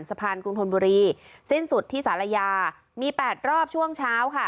กรุงธนบุรีสิ้นสุดที่สารยามี๘รอบช่วงเช้าค่ะ